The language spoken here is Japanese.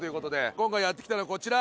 今回やって来たのはこちら！